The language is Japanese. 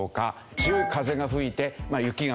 強い風が吹いて雪が降った。